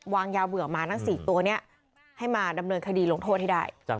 วางยาเบื่อมาทั้ง๔ตัวนี้ให้มาดำเนินคดีลงโทษให้ได้